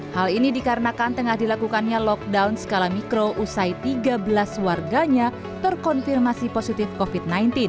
hal ini dikarenakan tengah dilakukannya lockdown skala mikro usai tiga belas warganya terkonfirmasi positif covid sembilan belas